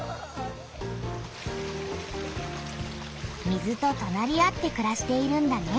水ととなり合ってくらしているんだね。